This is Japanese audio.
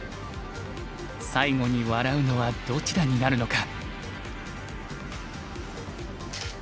最後に笑うのはどちらになるのか。